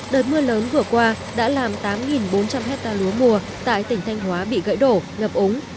đợt mưa lớn vừa qua đã làm tám bốn trăm linh hectare lúa mùa tại tỉnh thanh hóa bị gãy đổ ngập ống